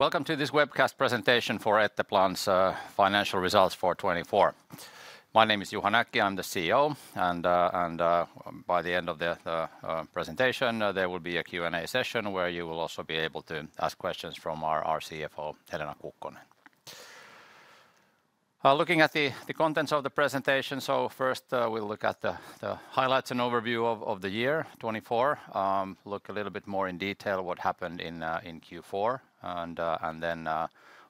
Welcome to this webcast presentation for Etteplan's financial results for 2024. My name is Juha Näkki, I'm the CEO, and by the end of the presentation there will be a Q&A session where you will also be able to ask questions from our CFO, Helena Kukkonen. Looking at the contents of the presentation, so first we'll look at the highlights and overview of the year 2024, look a little bit more in detail what happened in Q4, and then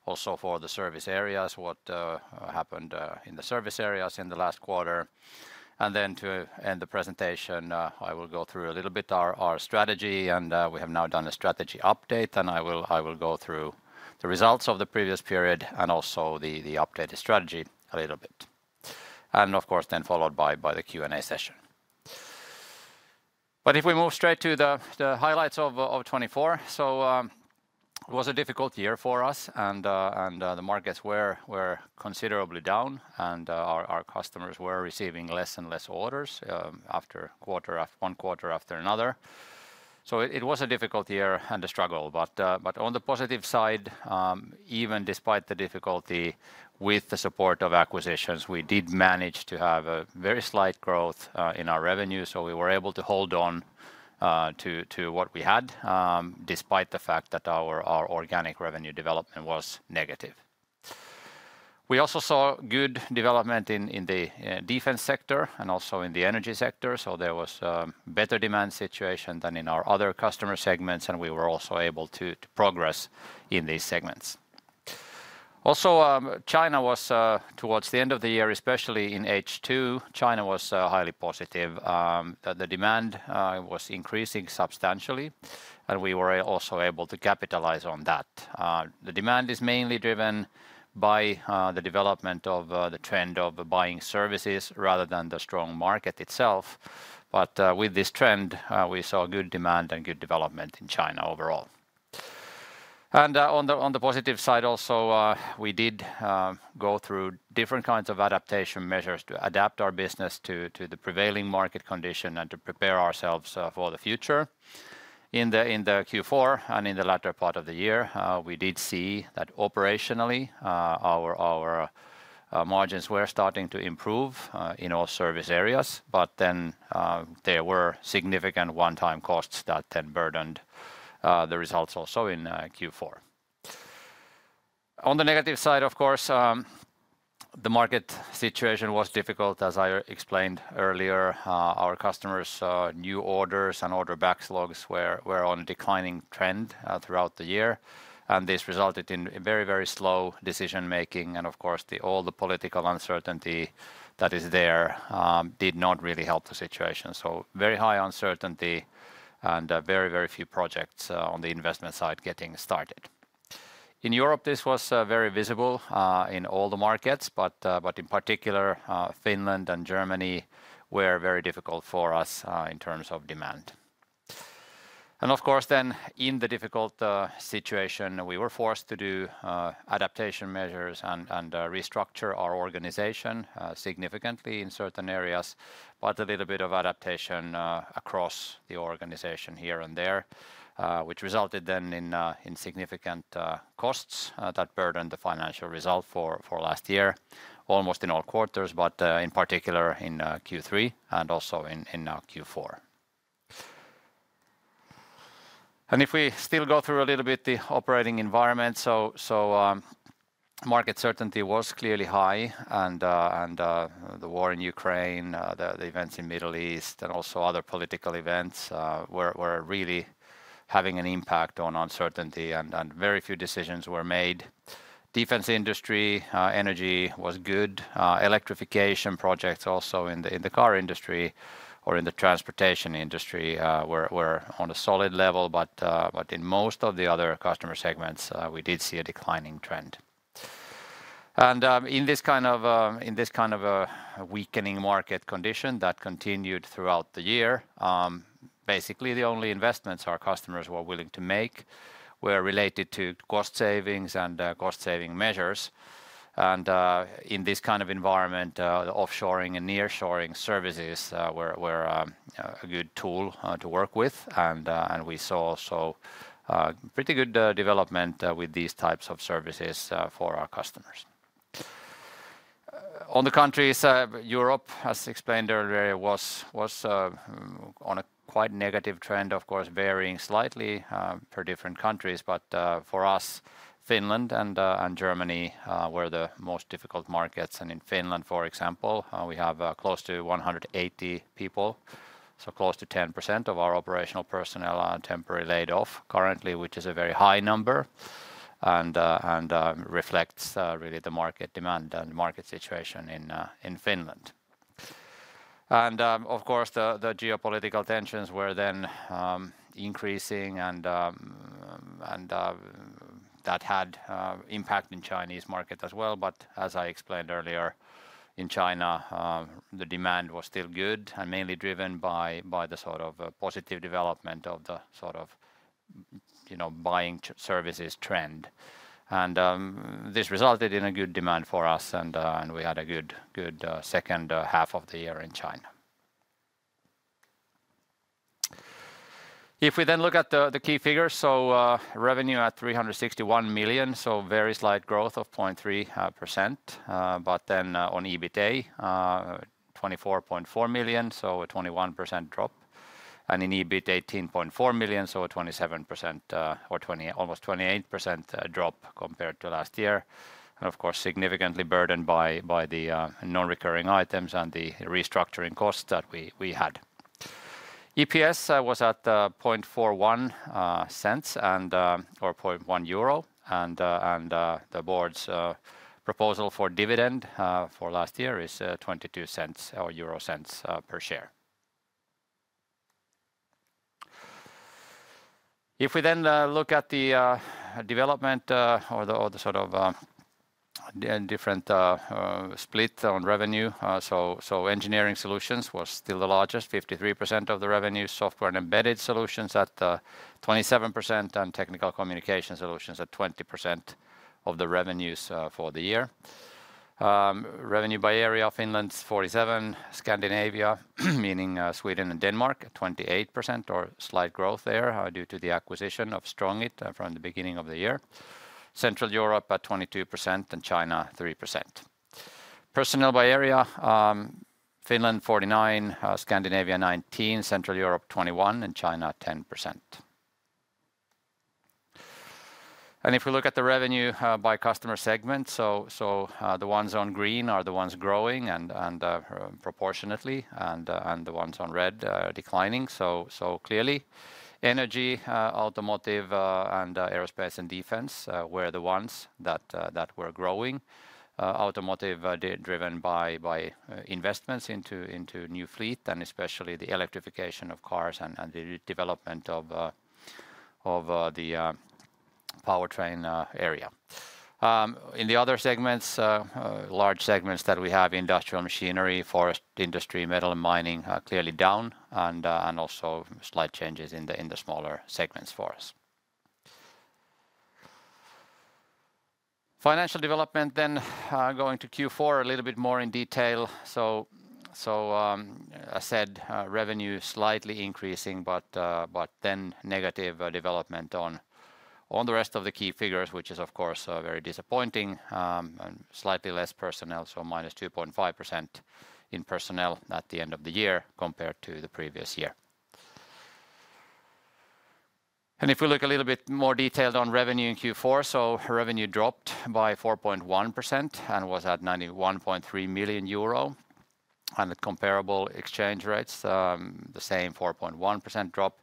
also for the service areas what happened in the service areas in the last quarter. And then to end the presentation, I will go through a little bit our strategy, and we have now done a strategy update, and I will go through the results of the previous period and also the updated strategy a little bit. And of course then followed by the Q&A session. But if we move straight to the highlights of 2024, so it was a difficult year for us, and the markets were considerably down, and our customers were receiving less and less orders after one quarter after another. So it was a difficult year and a struggle, but on the positive side, even despite the difficulty with the support of acquisitions, we did manage to have a very slight growth in our revenue, so we were able to hold on to what we had despite the fact that our organic revenue development was negative. We also saw good development in the defense sector and also in the energy sector, so there was a better demand situation than in our other customer segments, and we were also able to progress in these segments. Also, China was towards the end of the year, especially in H2, China was highly positive. The demand was increasing substantially, and we were also able to capitalize on that. The demand is mainly driven by the development of the trend of buying services rather than the strong market itself, but with this trend we saw good demand and good development in China overall. And on the positive side also, we did go through different kinds of adaptation measures to adapt our business to the prevailing market condition and to prepare ourselves for the future. In the Q4 and in the latter part of the year, we did see that operationally our margins were starting to improve in all service areas, but then there were significant one-time costs that then burdened the results also in Q4. On the negative side, of course, the market situation was difficult as I explained earlier. Our customers' new orders and order backlogs were on a declining trend throughout the year, and this resulted in very, very slow decision-making, and of course all the political uncertainty that is there did not really help the situation, so very high uncertainty and very, very few projects on the investment side getting started. In Europe, this was very visible in all the markets, but in particular Finland and Germany were very difficult for us in terms of demand, and of course then in the difficult situation, we were forced to do adaptation measures and restructure our organization significantly in certain areas, but a little bit of adaptation across the organization here and there, which resulted then in significant costs that burdened the financial result for last year, almost in all quarters, but in particular in Q3 and also in Q4. And if we still go through a little bit the operating environment, so market uncertainty was clearly high, and the war in Ukraine, the events in the Middle East, and also other political events were really having an impact on uncertainty, and very few decisions were made. Defense industry, energy was good, electrification projects also in the car industry or in the transportation industry were on a solid level, but in most of the other customer segments we did see a declining trend, and in this kind of weakening market condition that continued throughout the year, basically the only investments our customers were willing to make were related to cost savings and cost saving measures, and in this kind of environment, offshoring and nearshoring services were a good tool to work with, and we saw also pretty good development with these types of services for our customers. On the countries, Europe as explained earlier was on a quite negative trend, of course varying slightly per different countries, but for us, Finland and Germany were the most difficult markets. And in Finland, for example, we have close to 180 people, so close to 10% of our operational personnel are temporarily laid off currently, which is a very high number and reflects really the market demand and market situation in Finland. And of course the geopolitical tensions were then increasing, and that had an impact in the Chinese market as well, but as I explained earlier, in China the demand was still good and mainly driven by the sort of positive development of the sort of buying services trend. And this resulted in a good demand for us, and we had a good second half of the year in China. If we then look at the key figures, revenue at 361 million, so very slight growth of 0.3%, but then on EBITA 24.4 million, so a 21% drop, and in EBIT 18.4 million, so a 27% or almost 28% drop compared to last year, and of course significantly burdened by the non-recurring items and the restructuring costs that we had. EPS was at EUR 0.41, and the Board's proposal for dividend for last year is 0.22 per share. If we then look at the development or the sort of different split on revenue, Engineering Solutions was still the largest, 53% of the revenue, Software and Embedded Solutions at 27%, and Technical Communication Solutions at 20% of the revenues for the year. Revenue by area of Finland 47%, Scandinavia meaning Sweden and Denmark at 28% or slight growth there due to the acquisition of STRONGIT from the beginning of the year. Central Europe at 22% and China 3%. Personnel by area Finland 49%, Scandinavia 19%, Central Europe 21%, and China 10%. If we look at the revenue by customer segments, the ones on green are the ones growing and proportionately, and the ones on red declining. Clearly energy, automotive, and aerospace and defense were the ones that were growing. Automotive driven by investments into new fleet and especially the electrification of cars and the development of the powertrain area. In the other segments, large segments that we have industrial machinery, forest industry, metal and mining clearly down, and also slight changes in the smaller segments for us. Financial development, then going to Q4 a little bit more in detail. So as said, revenue slightly increasing, but then negative development on the rest of the key figures, which is of course very disappointing. Slightly less personnel, so minus 2.5% in personnel at the end of the year compared to the previous year. And if we look a little bit more detailed on revenue in Q4, so revenue dropped by 4.1% and was at 91.3 million euro, and at comparable exchange rates, the same 4.1% drop.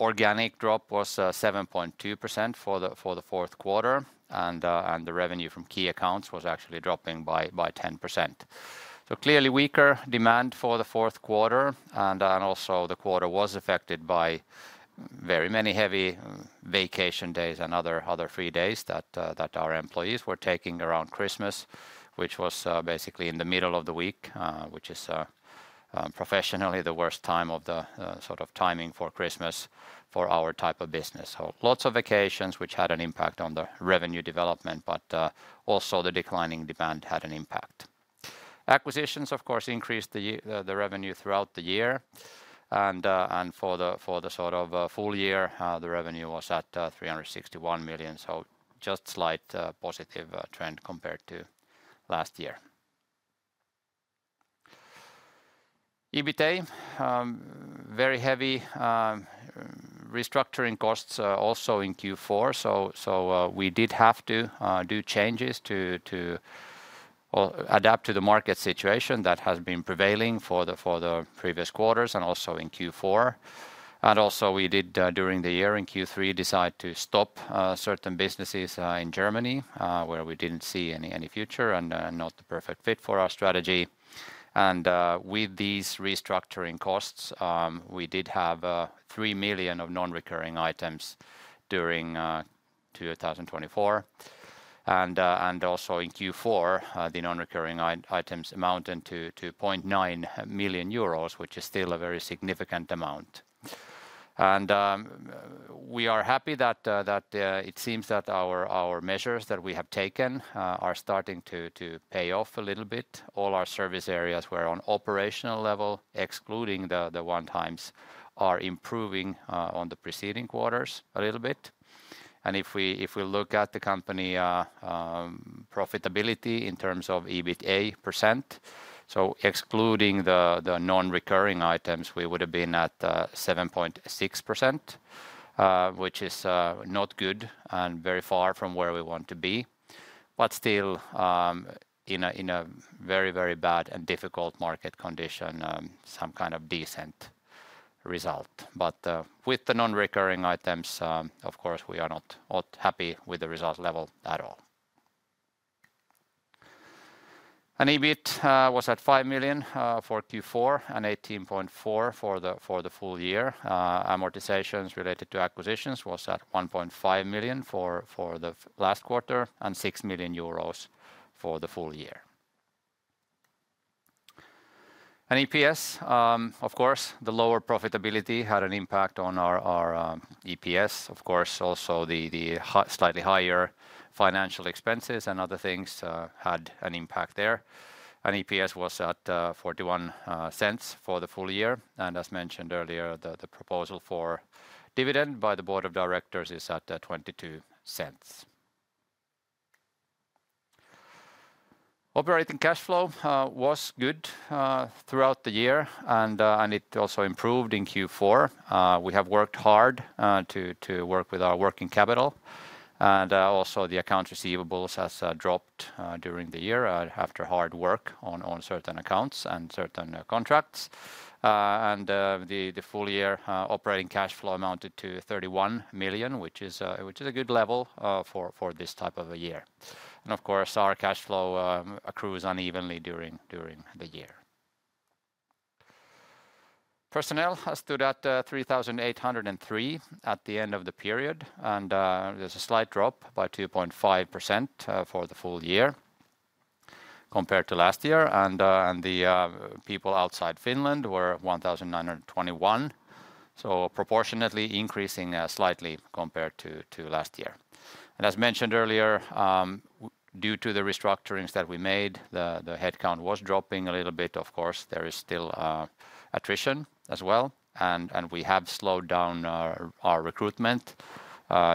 Organic drop was 7.2% for the fourth quarter, and the revenue from key accounts was actually dropping by 10%. Clearly weaker demand for the fourth quarter, and also the quarter was affected by very many heavy vacation days and other free days that our employees were taking around Christmas, which was basically in the middle of the week, which is professionally the worst time of the sort of timing for Christmas for our type of business. So lots of vacations, which had an impact on the revenue development, but also the declining demand had an impact. Acquisitions of course increased the revenue throughout the year, and for the sort of full year the revenue was at 361 million, so just slight positive trend compared to last year. EBITA, very heavy restructuring costs also in Q4, so we did have to do changes to adapt to the market situation that has been prevailing for the previous quarters and also in Q4. And also we did during the year in Q3 decide to stop certain businesses in Germany where we didn't see any future and not the perfect fit for our strategy. And with these restructuring costs, we did have 3 million EUR of non-recurring items during 2024, and also in Q4 the non-recurring items amounted to 0.9 million euros, which is still a very significant amount. And we are happy that it seems that our measures that we have taken are starting to pay off a little bit. All our service areas were on operational level, excluding the one times are improving on the preceding quarters a little bit. If we look at the company profitability in terms of EBITA %, so excluding the non-recurring items, we would have been at 7.6%, which is not good and very far from where we want to be, but still in a very, very bad and difficult market condition, some kind of decent result. With the non-recurring items, of course we are not happy with the result level at all. EBIT was at 5 million for Q4 and 18.4 million for the full year. Amortizations related to acquisitions was at 1.5 million for the last quarter and 6 million euros for the full year. EPS, of course, the lower profitability had an impact on our EPS. Of course, also the slightly higher financial expenses and other things had an impact there. EPS was at 0.41 for the full year, and as mentioned earlier, the proposal for dividend by the Board of Directors is at 0.22. Operating cash flow was good throughout the year, and it also improved in Q4. We have worked hard to work with our working capital, and also the accounts receivables has dropped during the year after hard work on certain accounts and certain contracts. The full year operating cash flow amounted to 31 million, which is a good level for this type of a year. Of course, our cash flow accrues unevenly during the year. Personnel has stood at 3,803 at the end of the period, and there's a slight drop by 2.5% for the full year compared to last year, and the people outside Finland were 1,921, so proportionately increasing slightly compared to last year. As mentioned earlier, due to the restructurings that we made, the headcount was dropping a little bit. Of course, there is still attrition as well, and we have slowed down our recruitment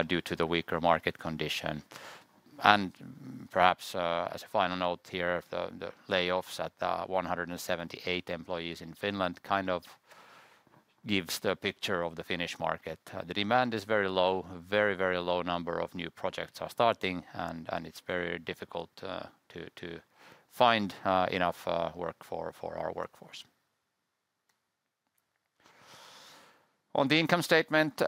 due to the weaker market condition. Perhaps as a final note here, the layoffs at 178 employees in Finland kind of gives the picture of the Finnish market. The demand is very low, very, very low number of new projects are starting, and it's very difficult to find enough work for our workforce. On the income statement,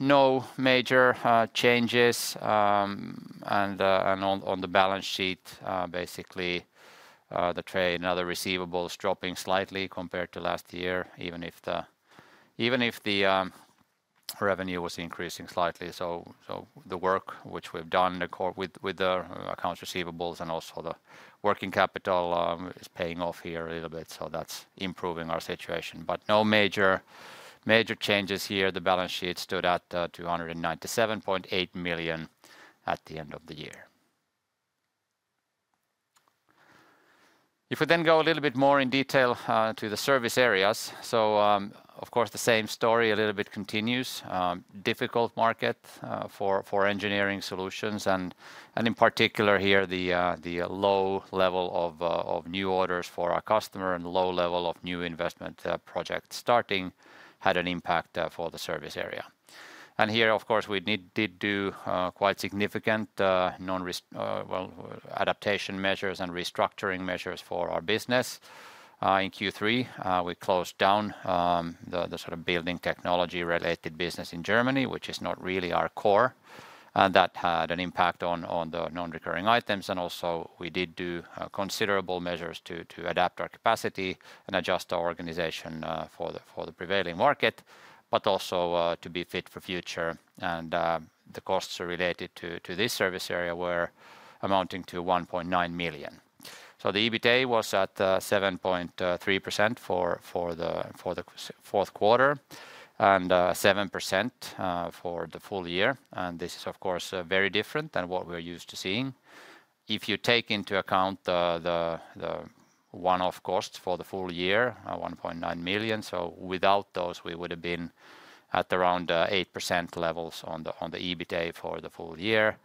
no major changes, and on the balance sheet, basically the trade and other receivables dropping slightly compared to last year, even if the revenue was increasing slightly. The work which we've done with the accounts receivables and also the working capital is paying off here a little bit, so that's improving our situation. No major changes here. The balance sheet stood at 297.8 million at the end of the year. If we then go a little bit more in detail to the service areas, so of course the same story a little bit continues. Difficult market for engineering solutions, and in particular here the low level of new orders for our customer and low level of new investment projects starting had an impact for the service area. And here, of course, we did do quite significant adaptation measures and restructuring measures for our business. In Q3, we closed down the sort of building technology related business in Germany, which is not really our core, and that had an impact on the non-recurring items. And also we did do considerable measures to adapt our capacity and adjust our organization for the prevailing market, but also to be fit for future. The costs related to this service area were amounting to 1.9 million. The EBITA was at 7.3% for the fourth quarter and 7% for the full year. This is, of course, very different than what we're used to seeing. If you take into account the one-off costs for the full year, 1.9 million, without those we would have been at around 8% levels on the EBITA for the full year,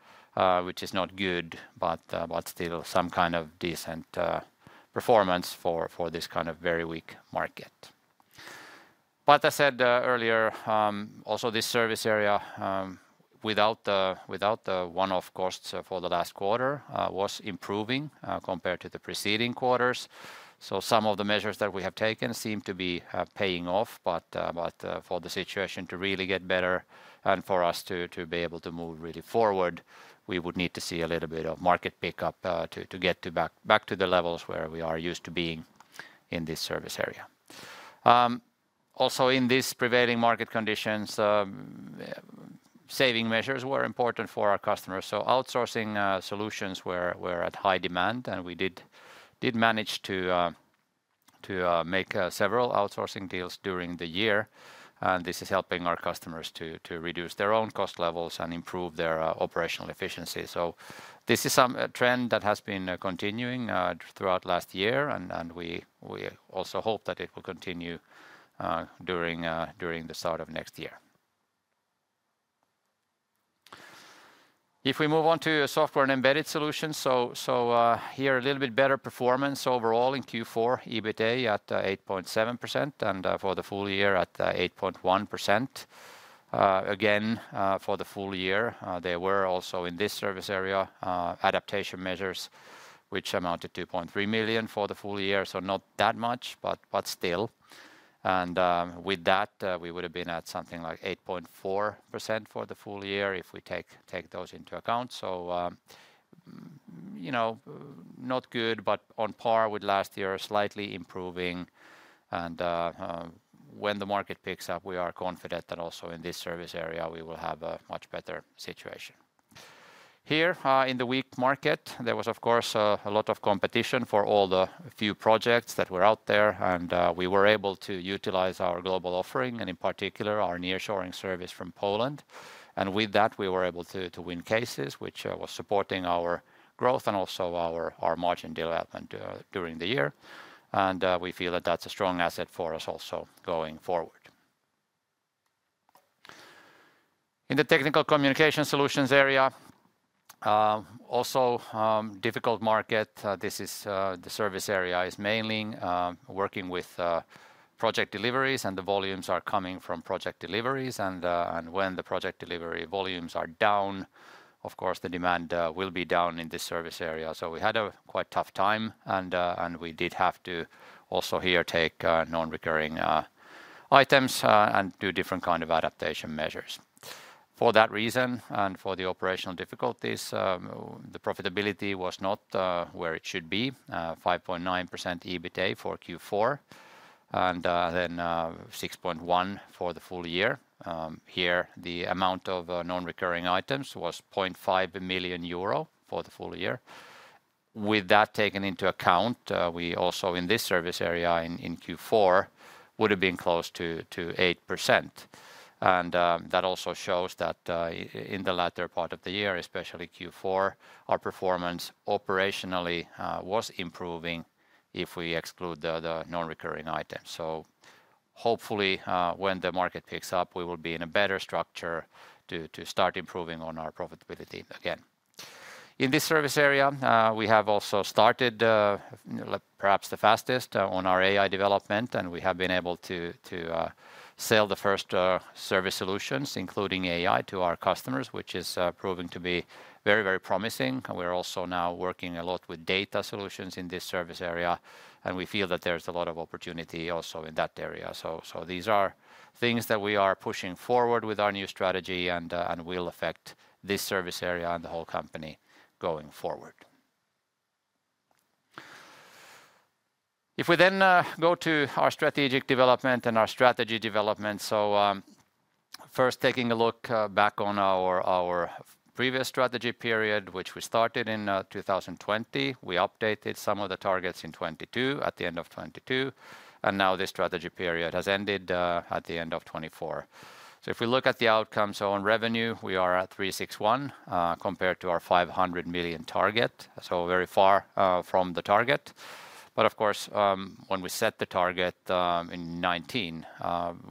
which is not good, but still some kind of decent performance for this kind of very weak market. As I said earlier, also this service area without the one-off costs for the last quarter was improving compared to the preceding quarters. Some of the measures that we have taken seem to be paying off, but for the situation to really get better and for us to be able to move really forward, we would need to see a little bit of market pickup to get back to the levels where we are used to being in this service area. Also in these prevailing market conditions, saving measures were important for our customers. So outsourcing solutions were at high demand, and we did manage to make several outsourcing deals during the year, and this is helping our customers to reduce their own cost levels and improve their operational efficiency. So this is a trend that has been continuing throughout last year, and we also hope that it will continue during the start of next year. If we move on to Software and Embedded Solutions, so here a little bit better performance overall in Q4, EBITA at 8.7% and for the full year at 8.1%. Again, for the full year, there were also in this service area adaptation measures which amounted to 2.3 million for the full year, so not that much, but still. And with that, we would have been at something like 8.4% for the full year if we take those into account. So not good, but on par with last year, slightly improving. And when the market picks up, we are confident that also in this service area we will have a much better situation. In the weak market, there was of course a lot of competition for all the few projects that were out there, and we were able to utilize our global offering and in particular our nearshoring service from Poland. And with that, we were able to win cases, which was supporting our growth and also our margin development during the year. And we feel that that's a strong asset for us also going forward. In the Technical Communication Solutions area, also difficult market. This is the service area mainly working with project deliveries and the volumes are coming from project deliveries. And when the project delivery volumes are down, of course the demand will be down in this service area. So we had a quite tough time, and we did have to also here take non-recurring items and do different kind of adaptation measures. For that reason and for the operational difficulties, the profitability was not where it should be, 5.9% EBITA for Q4 and then 6.1% for the full year. Here the amount of non-recurring items was 0.5 million euro for the full year. With that taken into account, we also in this service area in Q4 would have been close to 8%. That also shows that in the latter part of the year, especially Q4, our performance operationally was improving if we exclude the non-recurring items, so hopefully when the market picks up, we will be in a better structure to start improving on our profitability again. In this service area, we have also started perhaps the fastest on our AI development, and we have been able to sell the first service solutions, including AI, to our customers, which is proving to be very, very promising. We're also now working a lot with data solutions in this service area, and we feel that there's a lot of opportunity also in that area. So these are things that we are pushing forward with our new strategy and will affect this service area and the whole company going forward. If we then go to our strategic development and our strategy development, so first taking a look back on our previous strategy period, which we started in 2020, we updated some of the targets in 2022 at the end of 2022, and now this strategy period has ended at the end of 2024. So if we look at the outcome, so on revenue, we are at 361 million compared to our 500 million target, so very far from the target. But of course, when we set the target in 2019,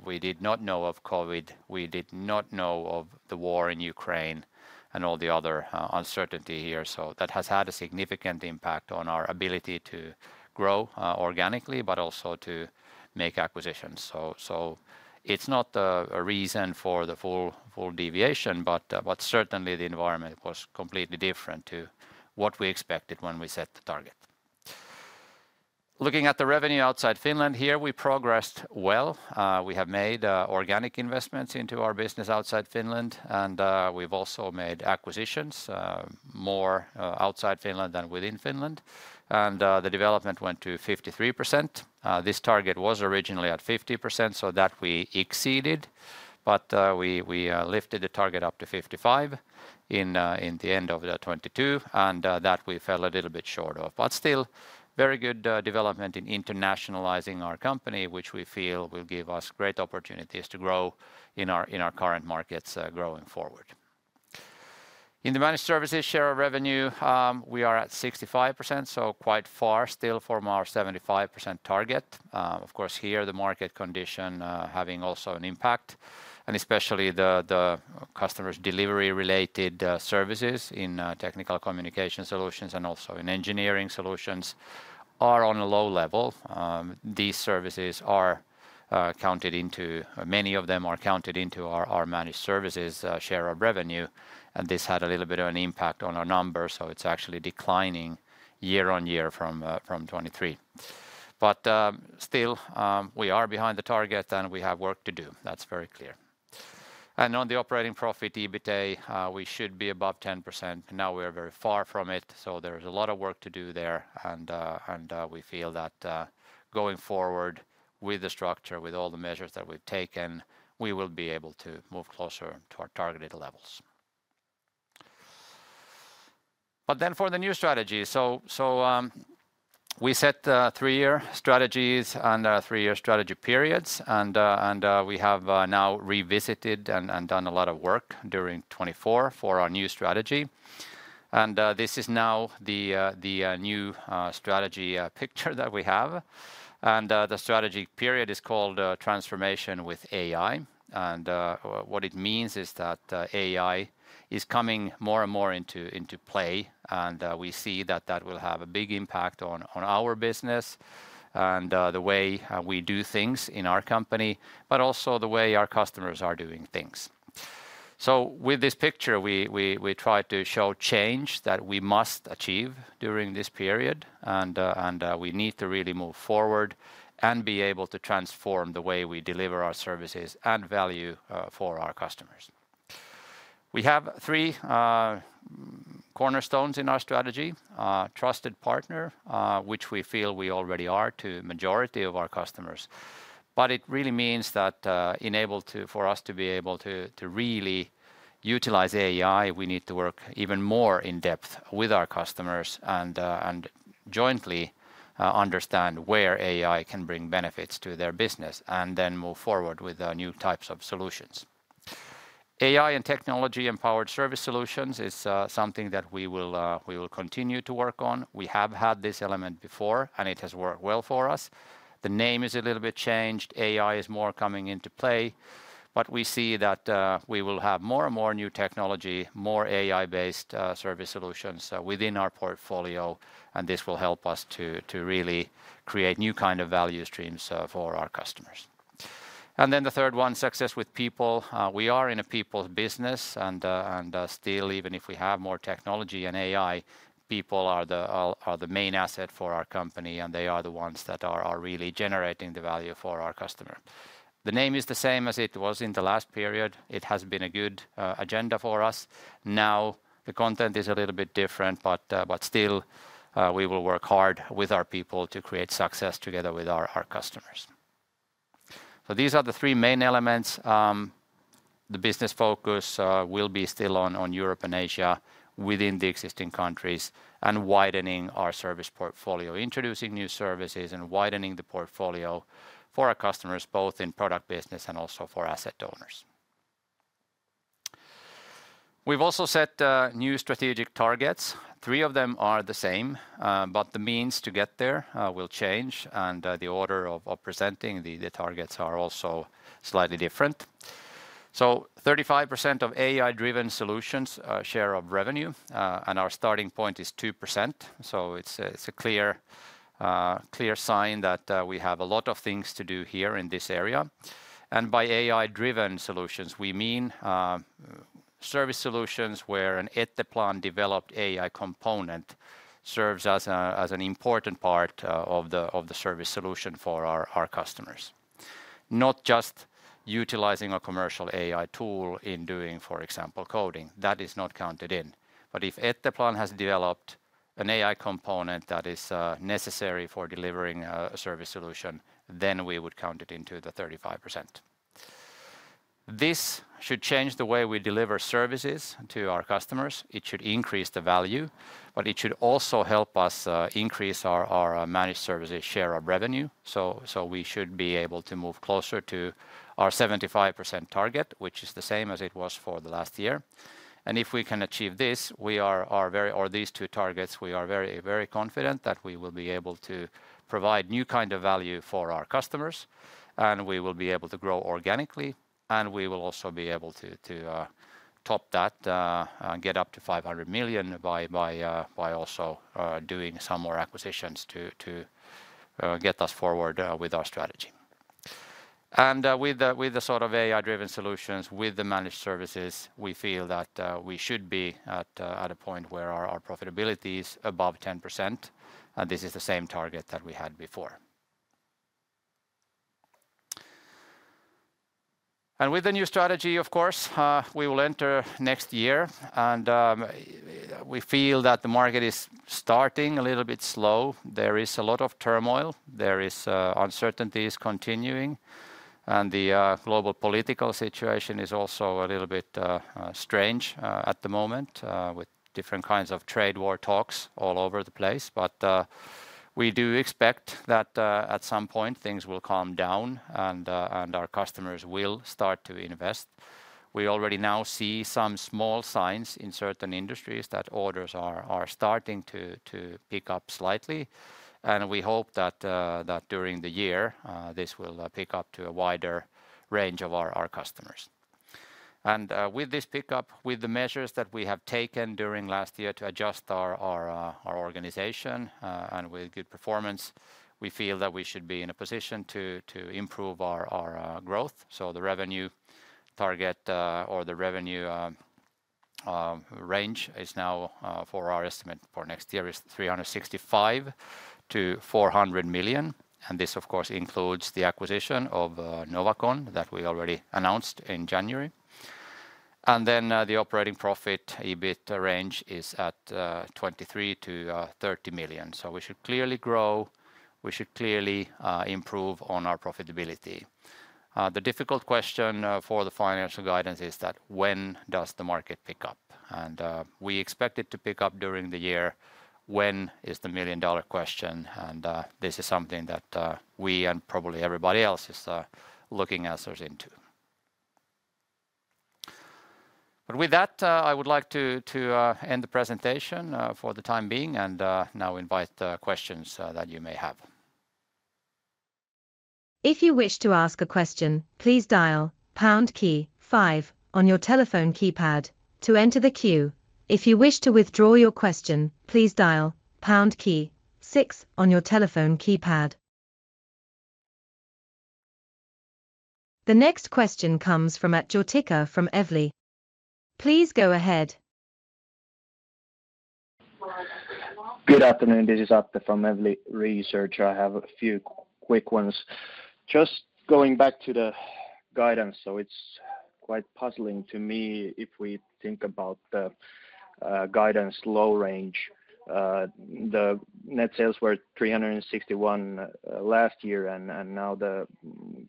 we did not know of COVID, we did not know of the war in Ukraine and all the other uncertainty here. So that has had a significant impact on our ability to grow organically, but also to make acquisitions. So it's not a reason for the full deviation, but certainly the environment was completely different to what we expected when we set the target. Looking at the revenue outside Finland, here we progressed well. We have made organic investments into our business outside Finland, and we've also made acquisitions more outside Finland than within Finland. And the development went to 53%. This target was originally at 50%, so that we exceeded, but we lifted the target up to 55% in the end of 2022, and that we fell a little bit short of. But still, very good development in internationalizing our company, which we feel will give us great opportunities to grow in our current markets going forward. In the Managed Services share of revenue, we are at 65%, so quite far still from our 75% target. Of course, here the market condition having also an impact, and especially the customers' delivery-related services in Technical Communication Solutions and also in Engineering Solutions are on a low level. These services are counted into, many of them are counted into our Managed Services share of revenue, and this had a little bit of an impact on our numbers, so it's actually declining year on year from 2023. But still, we are behind the target, and we have work to do. That's very clear. And on the operating profit EBITA, we should be above 10%. Now we're very far from it, so there's a lot of work to do there, and we feel that going forward with the structure, with all the measures that we've taken, we will be able to move closer to our targeted levels, but then for the new strategy, so we set three-year strategies and three-year strategy periods, and we have now revisited and done a lot of work during 2024 for our new strategy, and this is now the new strategy picture that we have, and the strategy period is called Transformation with AI, and what it means is that AI is coming more and more into play, and we see that that will have a big impact on our business and the way we do things in our company, but also the way our customers are doing things. So with this picture, we try to show change that we must achieve during this period, and we need to really move forward and be able to transform the way we deliver our services and value for our customers. We have three cornerstones in our strategy: trusted partner, which we feel we already are to a majority of our customers. But it really means that in order to, for us to be able to really utilize AI, we need to work even more in depth with our customers and jointly understand where AI can bring benefits to their business and then move forward with new types of solutions. AI and technology-empowered service solutions is something that we will continue to work on. We have had this element before, and it has worked well for us. The name is a little bit changed. AI is more coming into play, but we see that we will have more and more new technology, more AI-based service solutions within our portfolio, and this will help us to really create new kind of value streams for our customers, and then the third one, success with people. We are in a people business, and still, even if we have more technology and AI, people are the main asset for our company, and they are the ones that are really generating the value for our customer. The name is the same as it was in the last period. It has been a good agenda for us. Now the content is a little bit different, but still, we will work hard with our people to create success together with our customers, so these are the three main elements. The business focus will be still on Europe and Asia within the existing countries and widening our service portfolio, introducing new services and widening the portfolio for our customers, both in product business and also for asset owners. We've also set new strategic targets. Three of them are the same, but the means to get there will change, and the order of presenting the targets are also slightly different. So 35% of AI-driven solutions share of revenue, and our starting point is 2%. So it's a clear sign that we have a lot of things to do here in this area. And by AI-driven solutions, we mean service solutions where an Etteplan developed AI component serves as an important part of the service solution for our customers. Not just utilizing a commercial AI tool in doing, for example, coding. That is not counted in. If Etteplan has developed an AI component that is necessary for delivering a service solution, then we would count it into the 35%. This should change the way we deliver services to our customers. It should increase the value, but it should also help us increase our Managed Services share of revenue. We should be able to move closer to our 75% target, which is the same as it was for the last year. If we can achieve this, we are very, or these two targets, we are very, very confident that we will be able to provide new kind of value for our customers, and we will be able to grow organically, and we will also be able to top that and get up to 500 million by also doing some more acquisitions to get us forward with our strategy. With the sort of AI-driven solutions, with the Managed Services, we feel that we should be at a point where our profitability is above 10%, and this is the same target that we had before. With the new strategy, of course, we will enter next year, and we feel that the market is starting a little bit slow. There is a lot of turmoil. There is uncertainties continuing, and the global political situation is also a little bit strange at the moment with different kinds of trade war talks all over the place. We do expect that at some point things will calm down, and our customers will start to invest. We already now see some small signs in certain industries that orders are starting to pick up slightly, and we hope that during the year this will pick up to a wider range of our customers. With this pickup, with the measures that we have taken during last year to adjust our organization and with good performance, we feel that we should be in a position to improve our growth. The revenue target or the revenue range is now, for our estimate for next year, 365-400 million. This, of course, includes the acquisition of Noccon that we already announced in January. Then the operating profit EBIT range is at 23-30 million. We should clearly grow. We should clearly improve on our profitability. The difficult question for the financial guidance is that when does the market pick up? We expect it to pick up during the year. When is the million-dollar question? This is something that we and probably everybody else is looking for answers to. But with that, I would like to end the presentation for the time being and now invite questions that you may have. If you wish to ask a question, please dial pound key five on your telephone keypad to enter the queue. If you wish to withdraw your question, please dial pound key six on your telephone keypad. The next question comes from Arttu Heikura from Evli. Please go ahead. Good afternoon. This is Arttu from Evli Research. I have a few quick ones. Just going back to the guidance, so it's quite puzzling to me if we think about the guidance low range. The net sales were 361 last year, and now the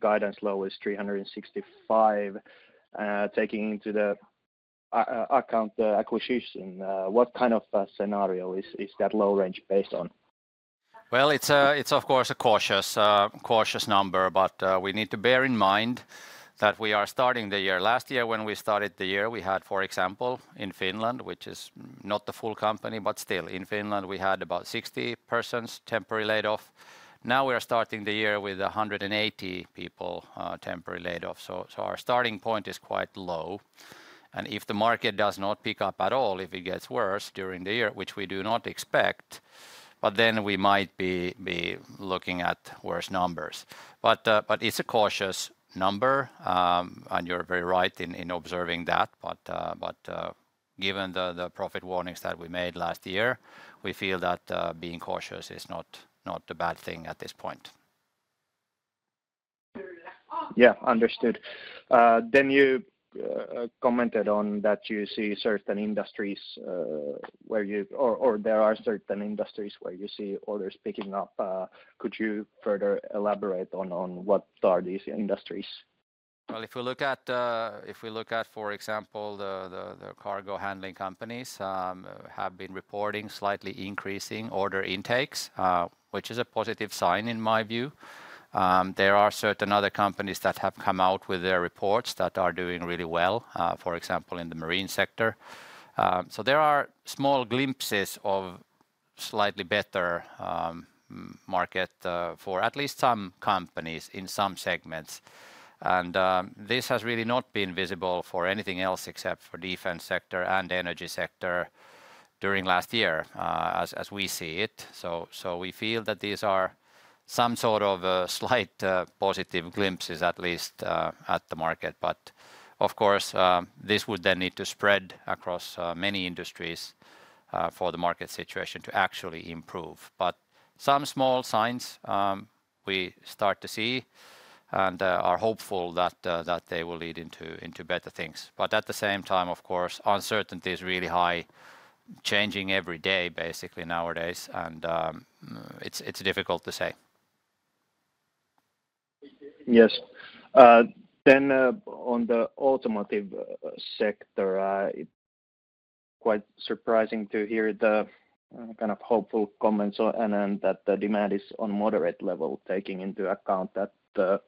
guidance low is 365. Taking into account the acquisition, what kind of scenario is that low range based on? It's of course a cautious number, but we need to bear in mind that we are starting the year. Last year when we started the year, we had, for example, in Finland, which is not the full company, but still in Finland, we had about 60 persons temporary laid off. Now we are starting the year with 180 people temporary laid off. So our starting point is quite low, and if the market does not pick up at all, if it gets worse during the year, which we do not expect, but then we might be looking at worse numbers. But it's a cautious number, and you're very right in observing that. But given the profit warnings that we made last year, we feel that being cautious is not a bad thing at this point. Yeah, understood. You commented on that you see certain industries where you, or there are certain industries where you see orders picking up. Could you further elaborate on what are these industries? If we look at, if we look at, for example, the cargo handling companies have been reporting slightly increasing order intakes, which is a positive sign in my view. There are certain other companies that have come out with their reports that are doing really well, for example, in the marine sector. There are small glimpses of slightly better market for at least some companies in some segments. This has really not been visible for anything else except for defense sector and energy sector during last year as we see it. We feel that these are some sort of slight positive glimpses at least at the market. But of course, this would then need to spread across many industries for the market situation to actually improve. But some small signs we start to see and are hopeful that they will lead into better things. But at the same time, of course, uncertainty is really high, changing every day basically nowadays, and it's difficult to say. Yes. Then on the automotive sector, quite surprising to hear the kind of hopeful comments and that the demand is on moderate level, taking into account that the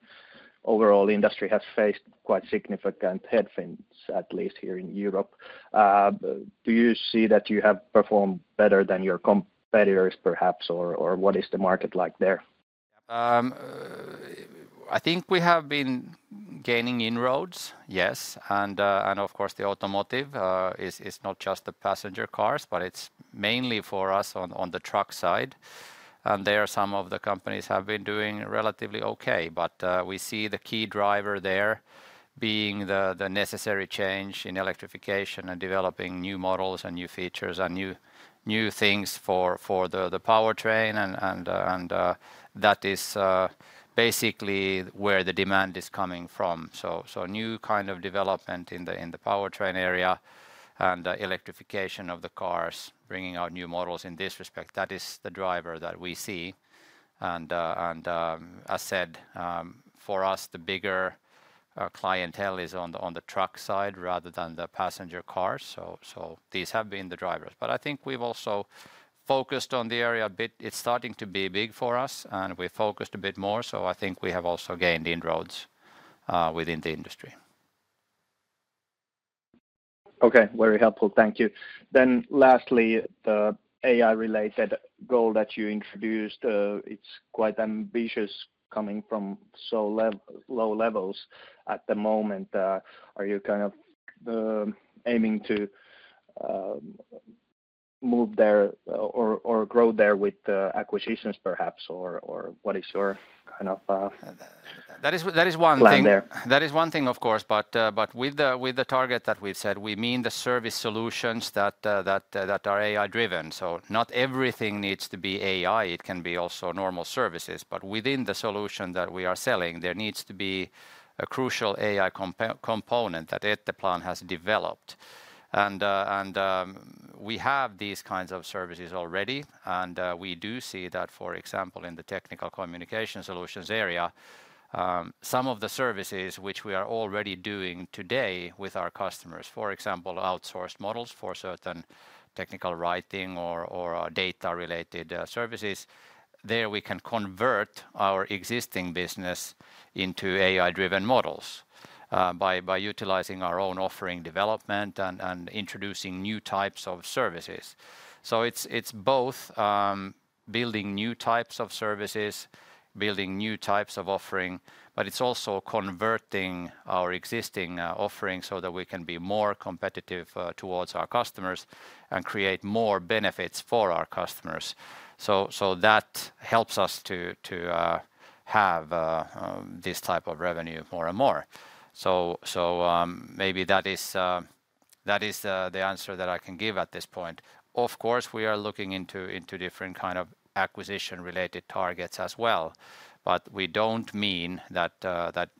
overall industry has faced quite significant headwinds, at least here in Europe. Do you see that you have performed better than your competitors perhaps, or what is the market like there? I think we have been gaining inroads, yes. And of course, the automotive is not just the passenger cars, but it's mainly for us on the truck side. There are some of the companies that have been doing relatively okay, but we see the key driver there being the necessary change in electrification and developing new models and new features and new things for the powertrain. That is basically where the demand is coming from. New kind of development in the powertrain area and electrification of the cars, bringing out new models in this respect, that is the driver that we see. As said, for us, the bigger clientele is on the truck side rather than the passenger cars. These have been the drivers. I think we've also focused on the area a bit. It's starting to be big for us, and we focused a bit more. I think we have also gained inroads within the industry. Okay, very helpful. Thank you. Then lastly, the AI-related goal that you introduced, it's quite ambitious coming from so low levels at the moment. Are you kind of aiming to move there or grow there with acquisitions perhaps, or what is your kind of plan there? That is one thing. That is one thing, of course. But with the target that we've set, we mean the service solutions that are AI-driven. So not everything needs to be AI. It can be also normal services. But within the solution that we are selling, there needs to be a crucial AI component that Etteplan has developed. And we have these kinds of services already. And we do see that, for example, in the technical communication solutions area, some of the services which we are already doing today with our customers, for example, outsourced models for certain technical writing or data-related services, there we can convert our existing business into AI-driven models by utilizing our own offering development and introducing new types of services. So it's both building new types of services, building new types of offering, but it's also converting our existing offering so that we can be more competitive towards our customers and create more benefits for our customers. So that helps us to have this type of revenue more and more. So maybe that is the answer that I can give at this point. Of course, we are looking into different kinds of acquisition-related targets as well. But we don't mean that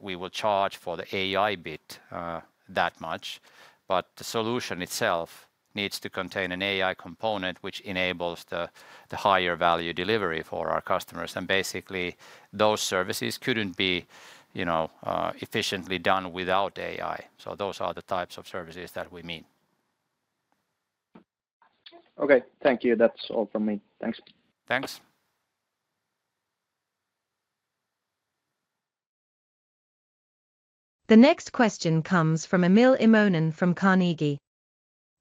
we will charge for the AI bit that much. But the solution itself needs to contain an AI component which enables the higher value delivery for our customers. And basically, those services couldn't be efficiently done without AI. So those are the types of services that we mean. Okay, thank you. That's all from me. Thanks. Thanks. The next question comes from Emil Immonen from Carnegie Investment Bank.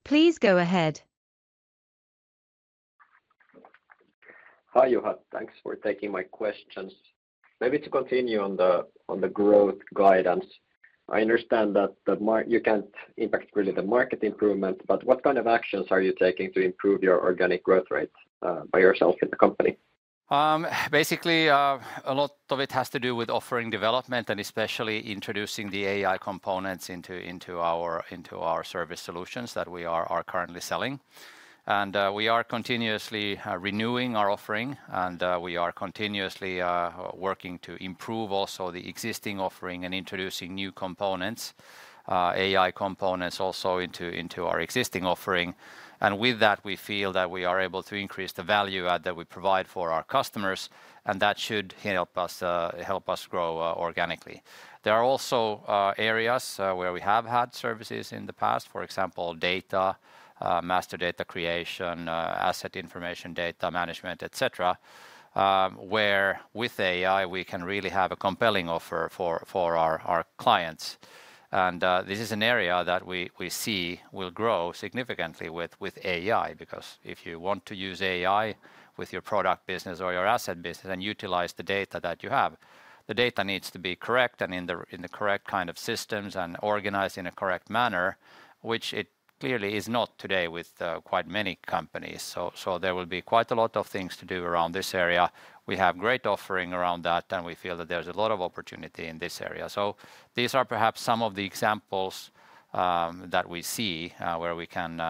Please go ahead. Hi Juha, thanks for taking my questions. Maybe to continue on the growth guidance, I understand that you can't impact really the market improvement, but what kind of actions are you taking to improve your organic growth rate by yourself with the company? Basically, a lot of it has to do with offering development and especially introducing the AI components into our service solutions that we are currently selling. We are continuously renewing our offering, and we are continuously working to improve also the existing offering and introducing new components, AI components also into our existing offering. With that, we feel that we are able to increase the value that we provide for our customers, and that should help us grow organically. There are also areas where we have had services in the past, for example, data, master data creation, asset information data management, etc., where with AI we can really have a compelling offer for our clients. This is an area that we see will grow significantly with AI because if you want to use AI with your product business or your asset business and utilize the data that you have, the data needs to be correct and in the correct kind of systems and organized in a correct manner, which it clearly is not today with quite many companies. There will be quite a lot of things to do around this area. We have great offering around that, and we feel that there's a lot of opportunity in this area. These are perhaps some of the examples that we see where we can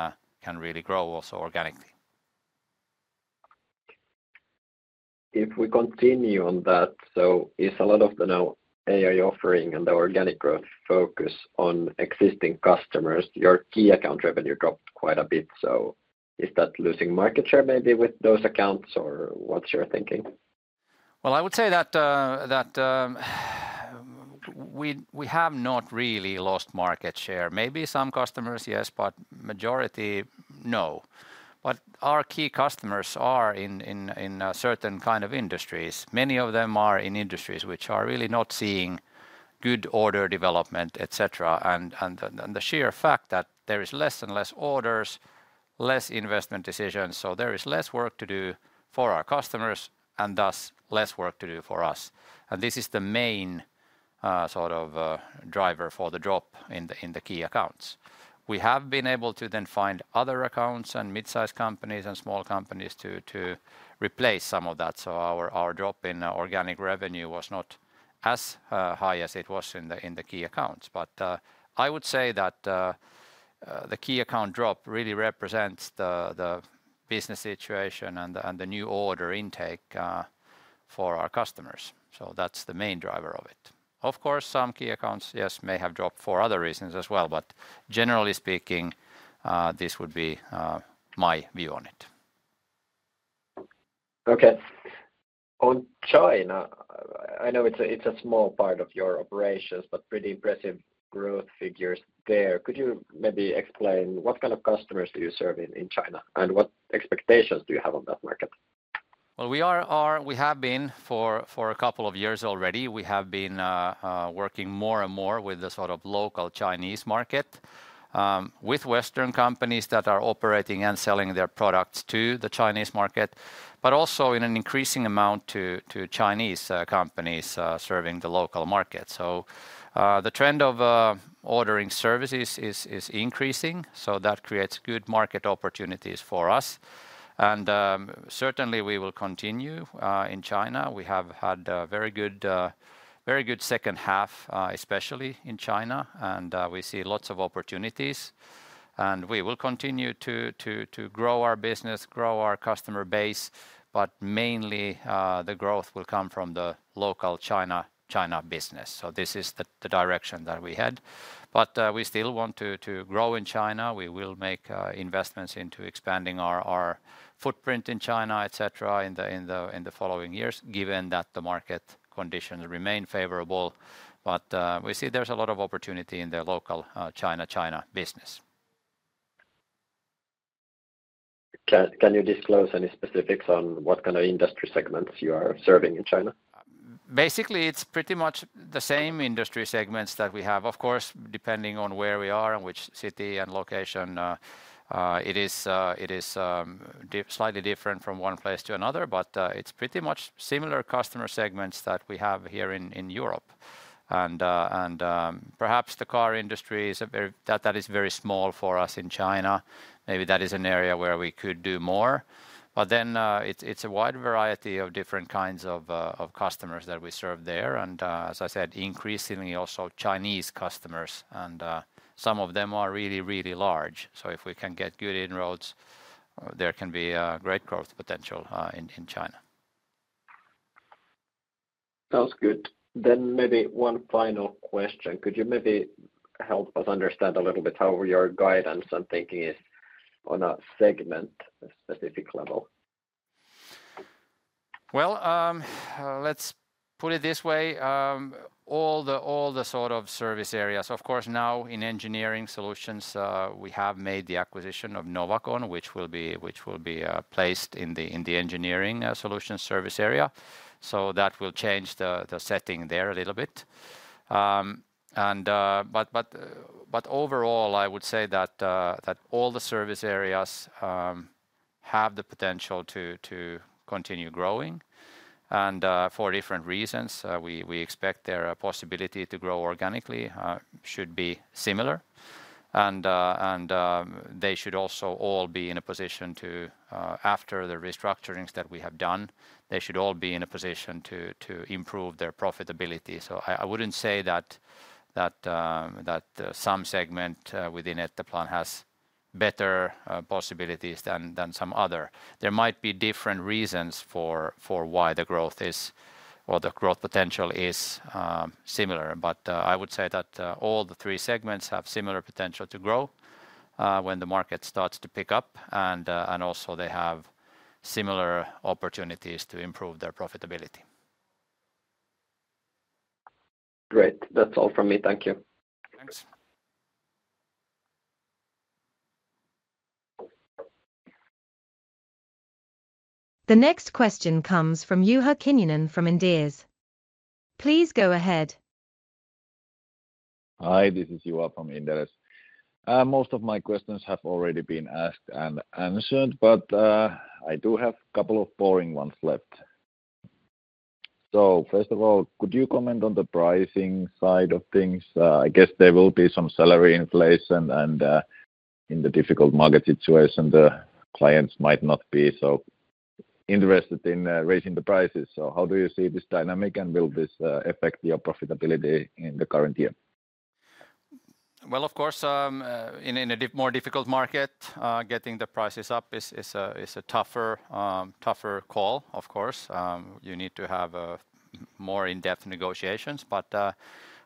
really grow also organically. If we continue on that, it's a lot of the now AI offering and the organic growth focus on existing customers. Your key account revenue dropped quite a bit. So is that losing market share maybe with those accounts or what's your thinking? Well, I would say that we have not really lost market share. Maybe some customers, yes, but majority, no. But our key customers are in certain kinds of industries. Many of them are in industries which are really not seeing good order development, etc. And the sheer fact that there is less and less orders, less investment decisions, so there is less work to do for our customers and thus less work to do for us. And this is the main sort of driver for the drop in the key accounts. We have been able to then find other accounts and mid-size companies and small companies to replace some of that. So our drop in organic revenue was not as high as it was in the key accounts. But I would say that the key account drop really represents the business situation and the new order intake for our customers. So that's the main driver of it. Of course, some key accounts, yes, may have dropped for other reasons as well, but generally speaking, this would be my view on it. Okay. On China, I know it's a small part of your operations, but pretty impressive growth figures there. Could you maybe explain what kind of customers do you serve in China and what expectations do you have on that market? Well, we have been for a couple of years already. We have been working more and more with the sort of local Chinese market with Western companies that are operating and selling their products to the Chinese market, but also in an increasing amount to Chinese companies serving the local market. So the trend of ordering services is increasing, so that creates good market opportunities for us. And certainly we will continue in China. We have had a very good second half, especially in China, and we see lots of opportunities. And we will continue to grow our business, grow our customer base, but mainly the growth will come from the local China business. So this is the direction that we had. But we still want to grow in China. We will make investments into expanding our footprint in China, etc., in the following years, given that the market conditions remain favorable. But we see there's a lot of opportunity in the local China-China business. Can you disclose any specifics on what kind of industry segments you are serving in China? Basically, it's pretty much the same industry segments that we have. Of course, depending on where we are and which city and location, it is slightly different from one place to another, but it's pretty much similar customer segments that we have here in Europe. And perhaps the car industry is a very small area for us in China. Maybe that is an area where we could do more. But then it's a wide variety of different kinds of customers that we serve there. And as I said, increasingly also Chinese customers, and some of them are really, really large. So if we can get good inroads, there can be great growth potential in China. Sounds good. Then maybe one final question. Could you maybe help us understand a little bit how your guidance and thinking is on a segment specific level? Well, let's put it this way. All the sort of service areas, of course, now in Engineering Solutions, we have made the acquisition of Novacon, which will be placed in the Engineering Solutions service area. So that will change the setting there a little bit. But overall, I would say that all the service areas have the potential to continue growing and for different reasons. We expect their possibility to grow organically should be similar. And they should also all be in a position to, after the restructurings that we have done, they should all be in a position to improve their profitability. So I wouldn't say that some segment within Etteplan has better possibilities than some other. There might be different reasons for why the growth is, or the growth potential is similar. But I would say that all the three segments have similar potential to grow when the market starts to pick up, and also they have similar opportunities to improve their profitability. Great. That's all from me. Thank you. Thanks. The next question comes from Juha Kinnunen from Inderes Oy. Please go ahead. Hi, this is Juha from Inderes Oy. Most of my questions have already been asked and answered, but I do have a couple of boring ones left. So first of all, could you comment on the pricing side of things? I guess there will be some salary inflation, and in the difficult market situation, the clients might not be so interested in raising the prices. So how do you see this dynamic, and will this affect your profitability in the current year? Well, of course, in a more difficult market, getting the prices up is a tougher call, of course. You need to have more in-depth negotiations. But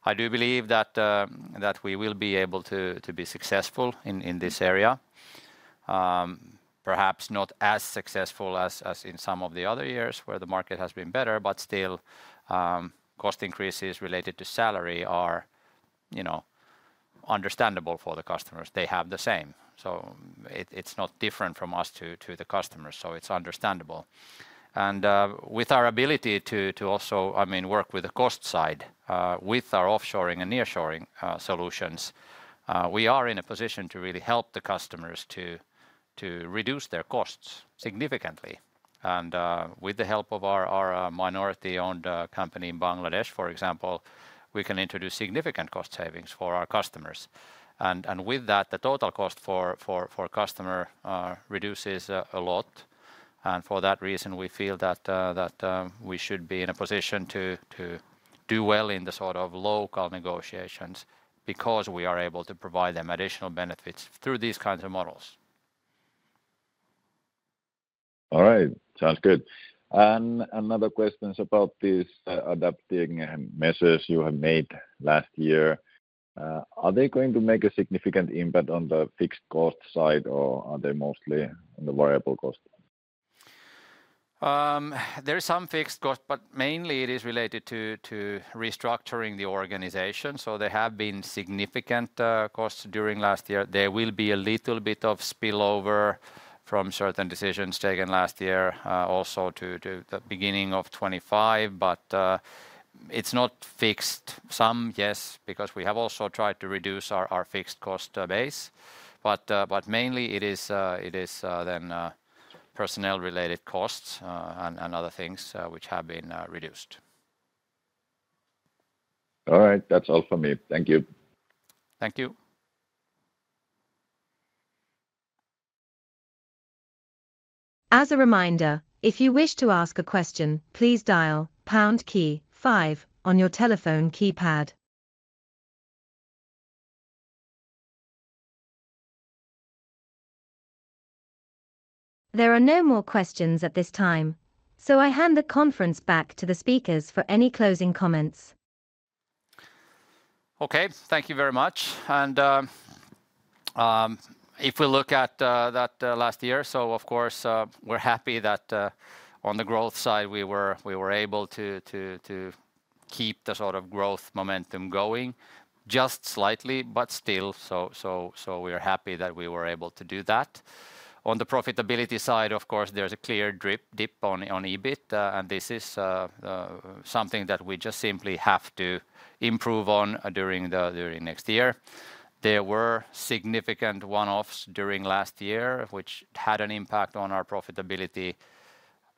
I do believe that we will be able to be successful in this area. Perhaps not as successful as in some of the other years where the market has been better, but still cost increases related to salary are understandable for the customers. They have the same. So it's not different from us to the customers. So it's understandable. And with our ability to also, I mean, work with the cost side with our offshoring and nearshoring solutions, we are in a position to really help the customers to reduce their costs significantly. And with the help of our minority-owned company in Bangladesh, for example, we can introduce significant cost savings for our customers. And with that, the total cost for customers reduces a lot. For that reason, we feel that we should be in a position to do well in the sort of local negotiations because we are able to provide them additional benefits through these kinds of models. All right. Sounds good. Another question is about these adapting measures you have made last year. Are they going to make a significant impact on the fixed cost side, or are they mostly on the variable cost? There is some fixed cost, but mainly it is related to restructuring the organization. So there have been significant costs during last year. There will be a little bit of spillover from certain decisions taken last year also to the beginning of 2025, but it's not fixed. Some, yes, because we have also tried to reduce our fixed cost base. But mainly it is then personnel-related costs and other things which have been reduced. All right. That's all for me. Thank you. Thank you. As a reminder, if you wish to ask a question, please dial #5 on your telephone keypad. There are no more questions at this time, so I hand the conference back to the speakers for any closing comments. Okay, thank you very much, and if we look at that last year, so of course we're happy that on the growth side we were able to keep the sort of growth momentum going just slightly, but still, so we are happy that we were able to do that. On the profitability side, of course, there's a clear dip on EBIT, and this is something that we just simply have to improve on during next year. There were significant one-offs during last year, which had an impact on our profitability.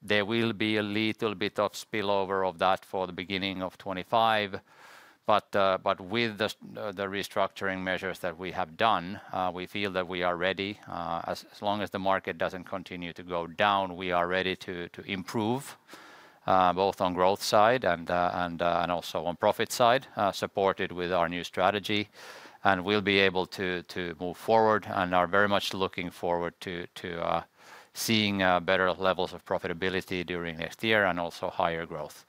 There will be a little bit of spillover of that for the beginning of 2025, but with the restructuring measures that we have done, we feel that we are ready. As long as the market doesn't continue to go down, we are ready to improve both on growth side and also on profit side, supported with our new strategy. We'll be able to move forward and are very much looking forward to seeing better levels of profitability during next year and also higher growth,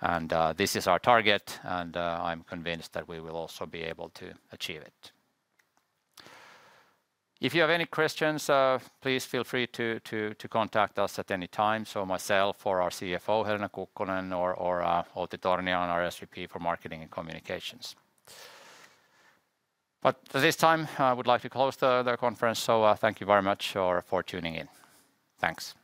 and this is our target, and I'm convinced that we will also be able to achieve it. If you have any questions, please feel free to contact us at any time, so myself or our CFO, Helena Kukkonen, or Outi Torniainen, our SVP for Marketing and Communications. But at this time, I would like to close the conference, so thank you very much for tuning in. Thanks.